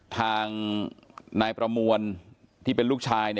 ทางนายประมวลที่เป็นลูกชาย